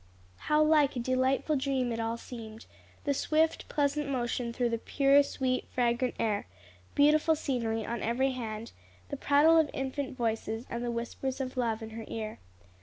How like a delightful dream it all seemed the swift, pleasant motion through the pure, sweet, fragrant air; beautiful scenery on every hand; the prattle of infant voices and the whispers of love in her ear.